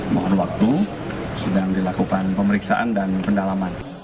mohon waktu sedang dilakukan pemeriksaan dan pendalaman